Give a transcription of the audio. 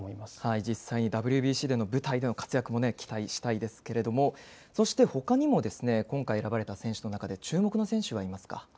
実際にＷＢＣでの舞台での活躍も期待したいですけれども、そして、ほかにも今回選ばれた選手の中で、注目の選手はいますか？